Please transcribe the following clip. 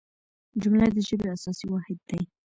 جمله د ژبي اساسي واحد دئ.